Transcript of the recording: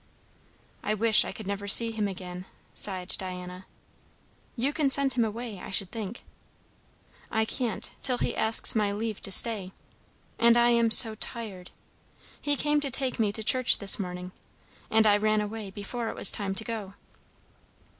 "I wish I could never see him again!" sighed Diana. "You can send him away, I should think." "I can't, till he asks my leave to stay. And I am so tired. He came to take me to church this morning; and I ran away before it was time to go."